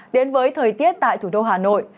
đến với thời tiết tại thủ đô hà nội